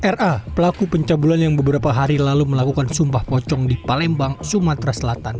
ra pelaku pencabulan yang beberapa hari lalu melakukan sumpah pocong di palembang sumatera selatan